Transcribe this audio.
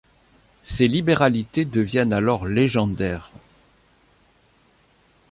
Ses libéralités deviennent alors légendaires.